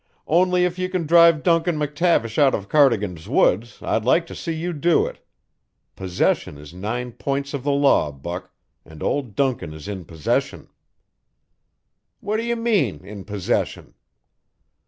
Only if you can drive Duncan McTavish out of Cardigan's woods, I'd like to see you do it. Possession is nine points of the law, Buck and Old Duncan is in possession." "What do you mean in possession?"